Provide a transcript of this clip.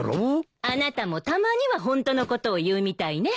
あなたもたまにはホントのことを言うみたいね。